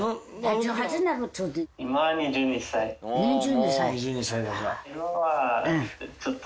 ２２歳。